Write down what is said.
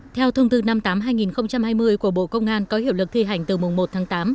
theo thông tư năm mươi tám hai nghìn hai mươi của bộ công an có hiệu lực thi hành từ mùng một tháng tám